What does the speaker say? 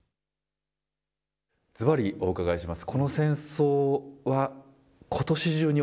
ずばり、お伺いします。